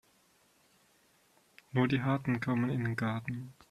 Nur die Harten kommen in den Garten.